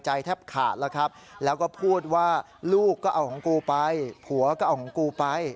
แทบขาดแล้วครับแล้วก็พูดว่าลูกก็เอาของกูไปผัวก็เอาของกูไป